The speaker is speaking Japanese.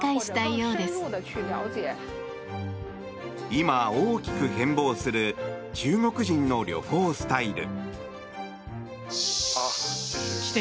今、大きく変ぼうする中国人の旅行スタイル。